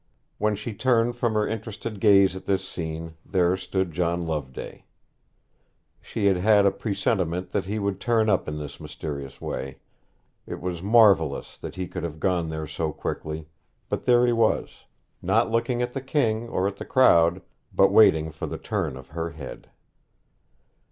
When she turned from her interested gaze at this scene, there stood John Loveday. She had had a presentiment that he would turn up in this mysterious way. It was marvellous that he could have got there so quickly; but there he was not looking at the King, or at the crowd, but waiting for the turn of her head.